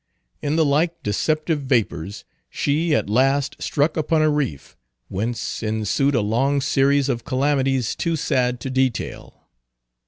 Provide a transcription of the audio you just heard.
In the like deceptive vapors she at last struck upon a reef, whence ensued a long series of calamities too sad to detail.